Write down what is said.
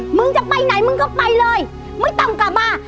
มึงจะไปไหนมึงก็ไปเลยไม่ต้องกลับมา